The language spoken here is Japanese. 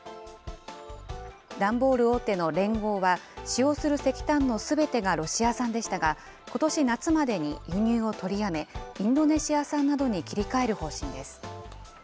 段ボール大手のレンゴーは、使用する石炭のすべてがロシア産でしたが、ことし夏までに輸入を取りやめ、インドネシア産などに切り替える方針です。